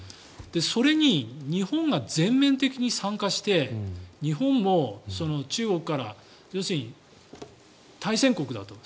それに日本が全面的に参加して日本も中国から要するに、対戦国だと。